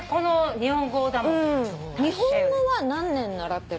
日本語は何年習ってる？